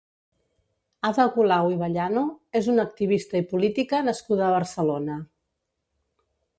Ada Colau i Ballano és una activista i política nascuda a Barcelona.